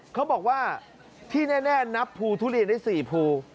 เขาบอกว่าที่แน่นับภูทุเรียนได้๔ภู